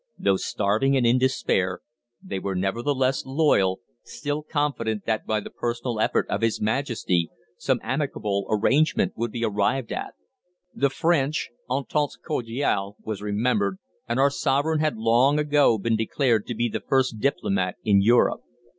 Though starving and in despair, they were nevertheless loyal, still confident that by the personal effort of His Majesty some amicable arrangement would be arrived at. The French entente cordiale was remembered, and our Sovereign had long ago been declared to be the first diplomat in Europe.